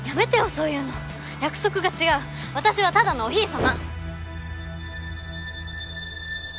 そういうの約束が違う私はただのお姫様